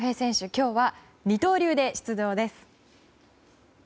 今日は二刀流で出場です。